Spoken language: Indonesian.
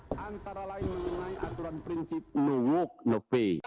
untuk menjaga keuntungan perusahaan dan keuntungan